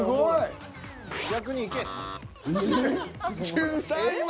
１３位は。